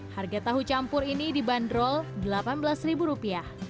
harga tahu campur ini dibanderol rp delapan belas